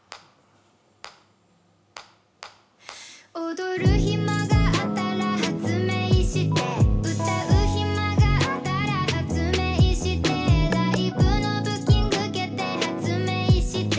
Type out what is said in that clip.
「踊る暇があったら発明してえ」「歌う暇があったら発明してえ」「ライブのブッキング蹴って発明してえ」